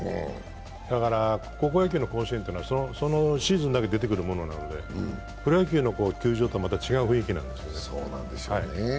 高校野球の甲子園というのはそのシーズンだけ出てくるものなんでプロ野球の球場とはまた違う雰囲気なんですよね。